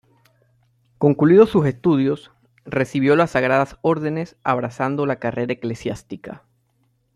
Concluidos sus estudios, recibió las sagradas órdenes, abrazando la carrera eclesiástica.